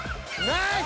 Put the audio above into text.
ナイス！